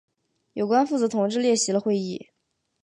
有关负责同志列席了会议。